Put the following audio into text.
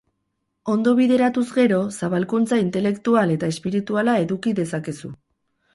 Ondo bideratuz gero, zabalkuntza intelektual eta espirituala eduki dezakezu.